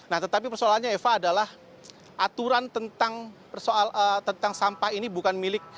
nah tetapi persoalannya eva adalah aturan tentang sampah ini bukan milik